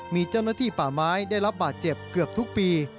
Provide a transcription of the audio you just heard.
มีเจ้าหน้าที่ป่าไม้ได้รับบาดเจ็บเกือบทุกปี